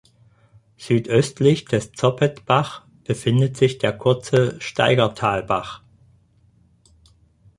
Südöstlich des Zoppetbach befindet sich der kurze Steigertalbach.